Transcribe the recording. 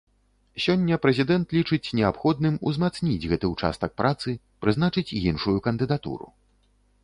Сёння прэзідэнт лічыць неабходным узмацніць гэты ўчастак працы, прызначыць іншую кандыдатуру.